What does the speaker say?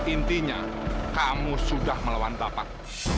intinya kamu sudah melawan bapak